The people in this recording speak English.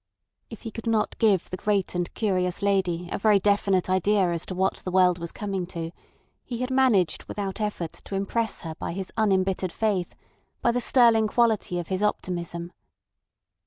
If he could not give the great and curious lady a very definite idea as to what the world was coming to, he had managed without effort to impress her by his unembittered faith, by the sterling quality of his optimism.